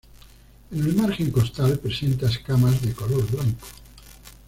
En el margen costal presenta escamas de color blanco.